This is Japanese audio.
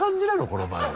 この番組。